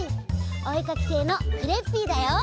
おえかきせいのクレッピーだよ！